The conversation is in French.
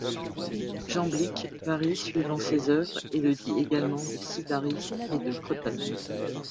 Jamblique varie suivant ses œuvres et le dit également de Sybaris ou de Crotone.